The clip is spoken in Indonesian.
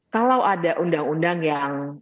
kalau ada undang undang yang